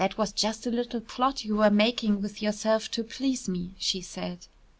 "That was just a little plot you were making with yourself to please me," she said.